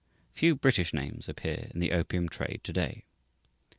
Few British names appear in the opium trade to day.